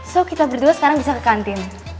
so kita berdua sekarang bisa ke kantin